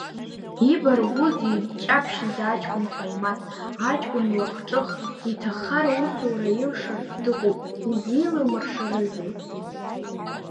Ибаргәузеи дҷаԥшьӡа аҷкәын ҟаимаҭ, аҷкәын лахҿых, иҭаххар аусура илшартә дыҟоуп, изилымыршарызеи.